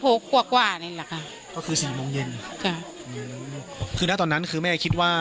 ปกติพี่สาวเราเนี่ยครับเป็นคนเชี่ยวชาญในเส้นทางป่าทางนี้อยู่แล้วหรือเปล่าครับ